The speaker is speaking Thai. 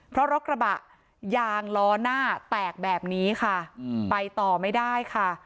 เพราะรถกระบะยางล้อหน้าแตกแบบนี้ค่ะไปต่อไม่ได้ค่ะ